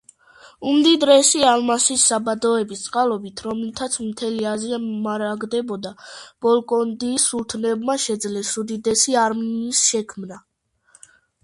უმდიდრესი ალმასის საბადოების წყალობით, რომლითაც მთელი აზია მარაგდებოდა, ჰოლკონდის სულთნებმა შეძლეს უდიდესი არმიის შექმნა.